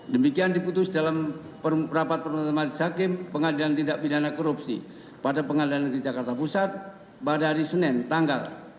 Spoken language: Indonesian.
demikian diputus dalam rapat peruntut masyarakat pengadilan tidak pidana korupsi pada pengadilan negeri jakarta pusat pada hari senin tanggal